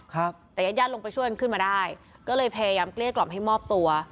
ครับแต่ญาติญาติลงไปช่วยมันขึ้นมาได้ก็เลยพยายามเกลี้ยกล่อมให้มอบตัว